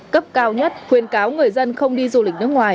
cấp cao nhất khuyên cáo người dân không đi dịch